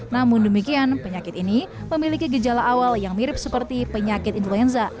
namun demikian penyakit ini memiliki gejala awal yang mirip seperti penyakit influenza